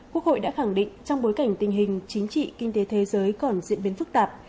quốc hội đã khẳng định trong bối cảnh tình hình chính trị kinh tế thế giới còn diễn biến phức tạp